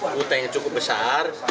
hutang yang cukup besar